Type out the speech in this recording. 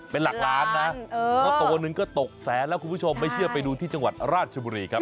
เป็นหลักล้านนะเพราะตัวหนึ่งก็ตกแสนแล้วคุณผู้ชมไม่เชื่อไปดูที่จังหวัดราชบุรีครับ